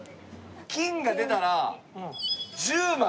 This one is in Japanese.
金が出たら１０枚！